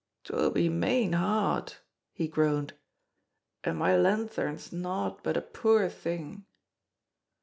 "'Twill be main hard!" he groaned; "an' my lanthorn's nowt but a poor thing."